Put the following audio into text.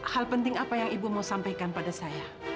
hal penting apa yang ibu mau sampaikan pada saya